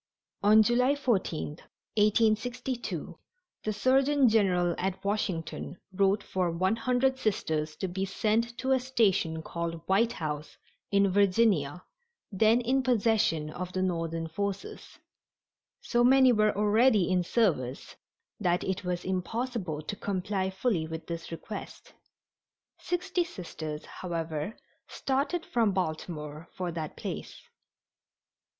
On July 14, 1862, the surgeon general at Washington wrote for one hundred Sisters to be sent to a station called White House, in Virginia, then in possession of the Northern forces. So many were already in service that it was impossible to comply fully with this request. Sixty Sisters, however, started from Baltimore for that place.